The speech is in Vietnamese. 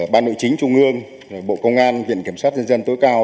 ban nội chính trung ương bộ công an viện kiểm soát dân dân tối cao